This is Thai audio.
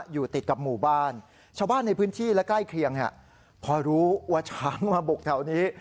อยู่ติดกับหมู่บ้านชาวบ้านในพื้นที่และใกล้เคียงพอรู้ว่าช้างมาบุกแถวนี้